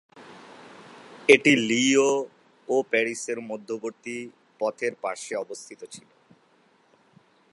এটি লিওঁ ও প্যারিসের মধ্যবর্তী পথের পার্শ্বে অবস্থিত ছিল।